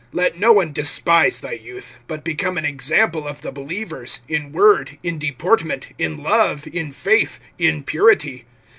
(12)Let no one despise thy youth; but become an example of the believers, in word, in deportment, in love, in faith, in purity.